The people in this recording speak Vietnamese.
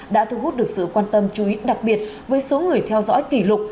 đã thu hút được sự quan tâm chú ý đặc biệt với số người theo dõi kỷ lục